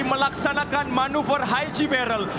melaksanakan manuver high g barrel